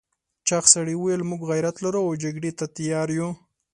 چاغ سړي وویل موږ غيرت لرو او جګړې ته تيار یو.